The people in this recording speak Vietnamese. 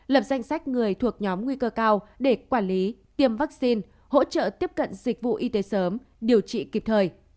lập danh sách người thuộc nhóm nguy cơ cao để quản lý tiêm vaccine hỗ trợ tiếp cận dịch vụ y tế sớm điều trị kịp thời